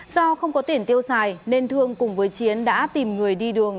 do không có tiền tiêu xài nên thương cùng với chiến đã tìm người đi đường